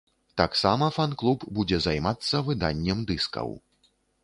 Таксама фан-клуб будзе займацца выданнем дыскаў.